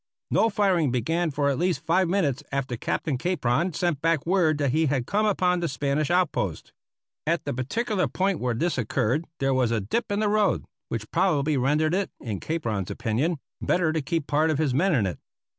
No firing began for at least five minutes after Captain Capron sent back word that he had come upon the Spanish outpost. At the particular point where this occurred there was a dip in the road, which probably rendered it, in Capron's opinion, better to keep part of his men in it.